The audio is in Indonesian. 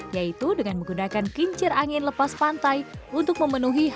yaitu dengan menggunakan kincir angin lepas pantai untuk memenuhi